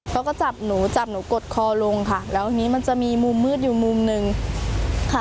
เขาก็จับหนูจับหนูกดคอลงค่ะแล้วทีนี้มันจะมีมุมมืดอยู่มุมหนึ่งค่ะ